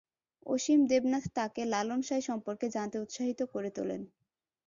অসীম দেবনাথ তাকে লালন সাঁই সম্পর্কে জানতে উৎসাহী করে তোলেন।